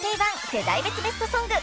世代別ベストソング』］